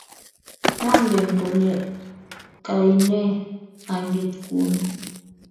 Mangen kole kaine anget kuni